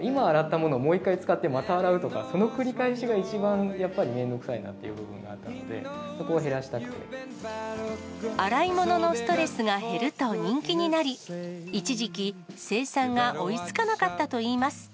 今洗ったものをもう一回使ってまた洗うとか、その繰り返しが一番、やっぱりめんどくさいなっていう部分があったので、そこを洗い物のストレスが減ると人気になり、一時期生産が追いつかなかったといいます。